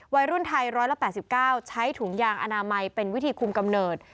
วัยรุ่นไทย๑๘๙ใช้ถุงยางอนามัยเป็นวิธีคุมกำเนิด